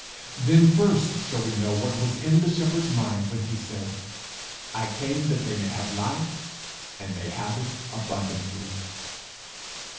Then first shall we know what was in the Shepherd's mind when he said, 'I came that they may have life, and may have it abundantly.'